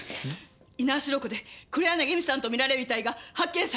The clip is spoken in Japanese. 猪苗代湖で黒柳恵美さんとみられる遺体が発見されたそうです。